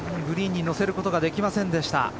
グリーンにのせることができませんでした。